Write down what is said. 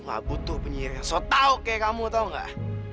aku gak butuh penyihir yang sotau kayak kamu tau gak